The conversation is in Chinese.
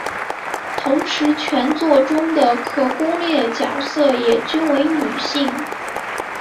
同时全作中的可攻略角色也均为女性。